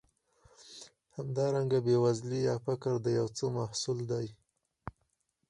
همدارنګه بېوزلي یا فقر د یو څه محصول دی.